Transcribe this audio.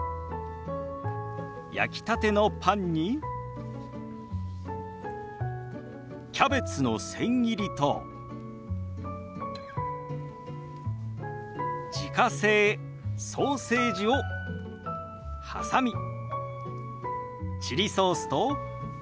焼きたてのパンにキャベツの千切りと自家製ソーセージを挟みチリソースとマスタードソースをかけた